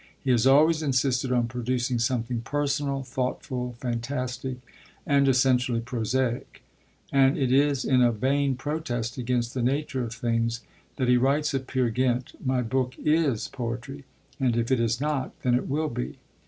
He has always insisted on producing something personal, thoughtful, fantastic, and essentially prosaic; and it is in a vain protest against the nature of things that he writes of Peer Gynt, 'My book is poetry; and if it is not, then it will be.